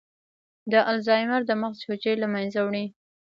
د الزایمر د مغز حجرې له منځه وړي.